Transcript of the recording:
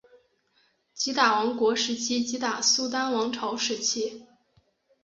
吉打王国时期吉打苏丹王朝时期